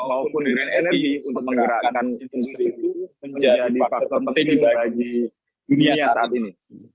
maupun green energy untuk menggerakkan industri itu menjadi faktor penting bagi dunia saat ini